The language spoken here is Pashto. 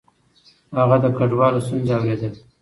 هغه د کډوالو ستونزې اورېدلې.